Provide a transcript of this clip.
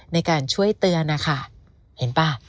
ในการช่วยเตือนนะคะเห็นป่ะ